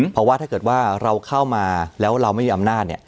เพราะว่าถ้าเกิดว่าเราเข้ามาแล้วเราไม่มีอำนาจ